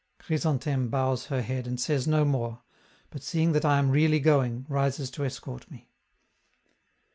Chrysantheme bows her head and says no more, but seeing that I am really going, rises to escort me.